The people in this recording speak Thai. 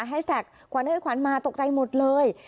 แฮชแท็กควันไอ้ควันมาตกใจหมดเลย